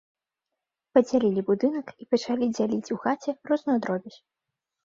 Падзялілі будынак і пачалі дзяліць у хаце розную дробязь.